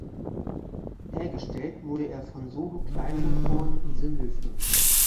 Hergestellt wurde er von Solo Kleinmotoren in Sindelfingen.